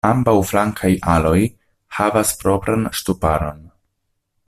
Ambaŭ flankaj aloj havas propran ŝtuparon.